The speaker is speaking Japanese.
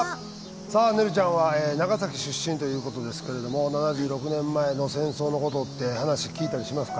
さあねるちゃんは長崎出身ということですけれども７６年前の戦争のことって話聞いたりしますか？